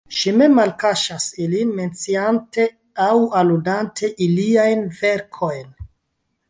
Ŝi mem malkaŝas ilin, menciante aŭ aludante iliajn verkojn.